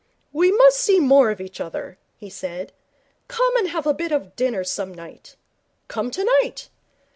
'We must see more of each other,' he said. 'Come and have a bit of dinner some night. Come tonight.'